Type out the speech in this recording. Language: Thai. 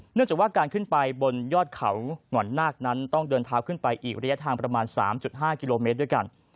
เนื่องจากว่าการขึ้นไปบนยอดเขาหน่อนนาคนั้นต้องเดินเท้าขึ้นไปอีกระยะทางประมาณ๓๕กิโลเมตรด้วยกัน